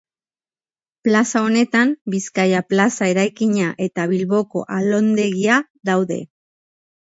Plaza honetan Bizkaia Plaza eraikina eta Bilboko Alondegia daude.